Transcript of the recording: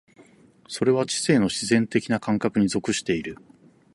それは知性の自然的な感覚に属している。